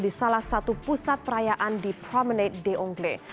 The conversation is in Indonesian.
di salah satu pusat perayaan di promenade